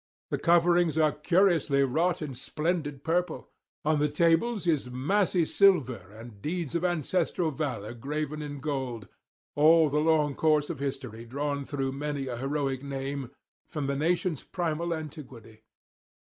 The coverings are curiously wrought in splendid purple; on the tables is massy silver and deeds of ancestral valour graven in gold, all the long course of history drawn through many a heroic name from the nation's primal antiquity.